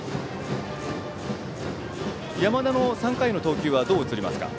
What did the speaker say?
山田の３回の投球はどう映りますか。